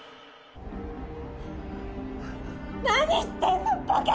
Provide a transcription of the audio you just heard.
何してんのバカ！